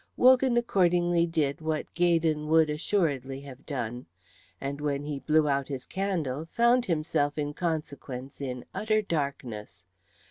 Wogan accordingly did what Gaydon would assuredly have done, and when he blew out his candle found himself in consequence in utter darkness.